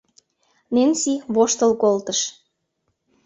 Ненси воштыл колтыш: